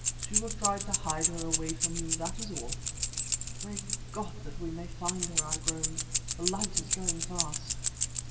She will try to hide her away from you, that is all." "Pray God that we may find her," I groaned. "The light is going fast."